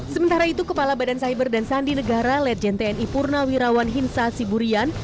sementara itu kepala badan cyber dan sandi negara legend tni purnawirawan hinsa siburian